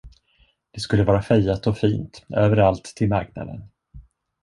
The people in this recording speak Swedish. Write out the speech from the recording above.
Det skulle vara fejat och fint överallt till marknaden.